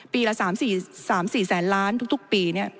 ปีละ๓๔แสนล้านทุกปี